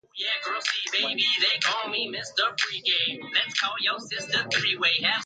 They lack grace and juice (poetic quality).